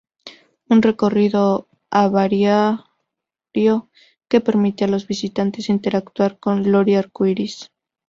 Un recorrido aviario que permite a los visitantes interactuar con Lori arcoiris.